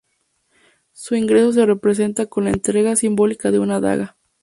Su ingreso se representa con la entrega simbólica de una daga.